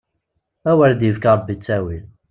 Awer i d-yefk Ṛebbi ttawil!